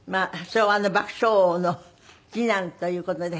昭和の爆笑王の次男という事で。